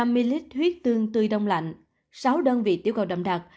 ba trăm linh ml huyết tương tươi đông lạnh sáu đơn vị tiêu cầu đậm đặc